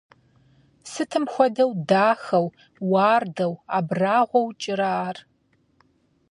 Сытым хуэдэу дахэу, уардэу, абрагъуэу кӀырэ ар!